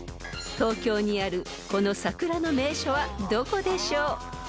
［東京にあるこの桜の名所はどこでしょう？］